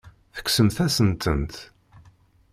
Tekksemt-asen-tent.